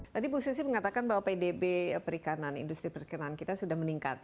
tadi bu susi mengatakan bahwa pdb perikanan industri perikanan kita sudah meningkat